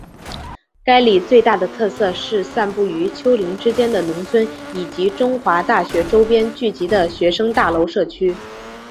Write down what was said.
该里最大的特色是散布于丘陵之间的农村以及中华大学周边聚集的学生大楼社区。